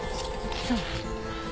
そう。